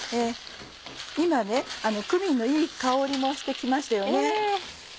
今クミンのいい香りもして来ましたよね。